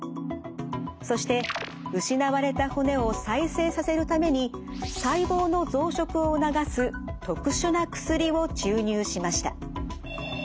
そして失われた骨を再生させるために細胞の増殖を促す特殊な薬を注入しました。